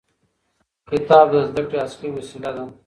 کتاب د زده کړې اصلي وسیله ده.